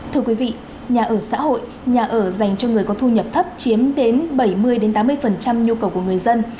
thưa quý vị nhà ở xã hội nhà ở dành cho người có thu nhập thấp chiếm đến bảy mươi tám mươi nhu cầu của người dân